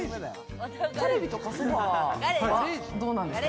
テレビとかソファはどうなんですか？